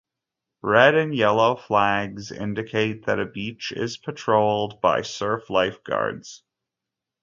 Red and Yellow flags indicate that a beach is patrolled by Surf Lifeguards.